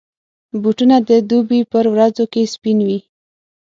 بوټونه د دوبي پر ورځو کې سپین وي.